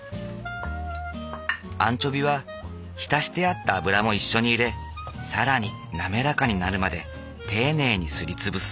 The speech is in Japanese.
アンチョビは浸してあった油も一緒に入れ更に滑らかになるまで丁寧にすり潰す。